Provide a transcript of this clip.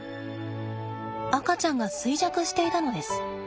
赤ちゃんが衰弱していたのです。